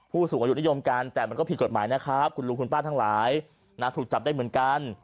ผู้สูงอายุนิยมกันแต่มันก็ผิดกฎหมายนะครับคุณลุงคุณป้าทั้งหลายถูกจับได้เหมือนกัน